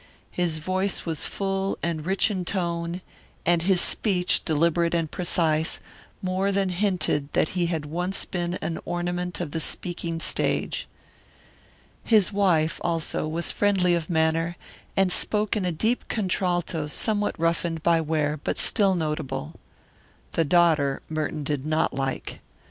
His voice was full and rich in tone, and his speech, deliberate and precise, more than hinted that he had once been an ornament of the speaking stage. His wife, also, was friendly of manner, and spoke in a deep contralto somewhat roughened by wear but still notable. The daughter Merton did not like.